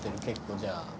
結構じゃあ。